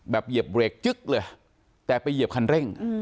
แบบเหยียบเบรกแต่ไปเหยียบคันเร่ง